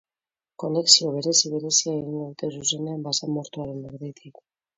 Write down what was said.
Konexio berezi-berezia egingo dute zuzenean basamortuaren erditik.